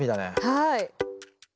はい。